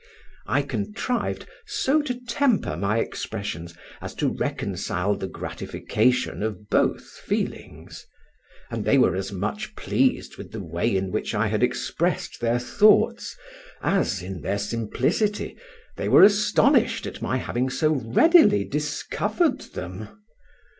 I contrived so to temper my expressions as to reconcile the gratification of both feelings; and they were as much pleased with the way in which I had expressed their thoughts as (in their simplicity) they were astonished at my having so readily discovered them.